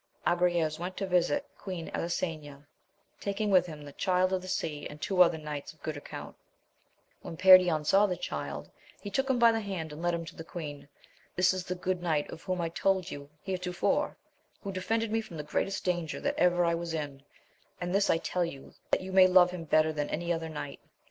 Agrayes went to visit Queen Elisena, taking with him the Child of the Sea, and two other knights of good account. When Perion saw the Child, he took him by the hand and led him to the queen. — This is the good knight, of whom I told ye heretofore, who defended me from the greatest danger that ever I was in, and this I tell you that you may love him better than any other knight.